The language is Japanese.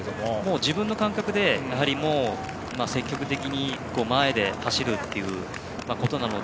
自分の感覚で積極的に前で走るっていうことなので。